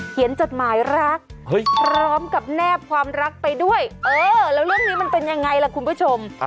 จดหมายรักพร้อมกับแนบความรักไปด้วยเออแล้วเรื่องนี้มันเป็นยังไงล่ะคุณผู้ชม